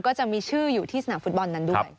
ก็จะมีชื่ออยู่ที่สนามฟุตบอลนั้นด้วย